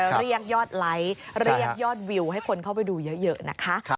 เรียกยอดไลค์เรียกยอดวิวให้คนเข้าไปดูเยอะนะคะ